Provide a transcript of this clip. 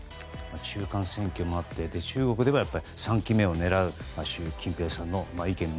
中間選挙もあって中国でも３期目を狙う習近平さんの。